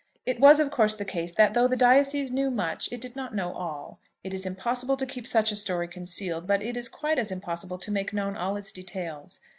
It was of course the case, that though the diocese knew much, it did not know all. It is impossible to keep such a story concealed, but it is quite as impossible to make known all its details.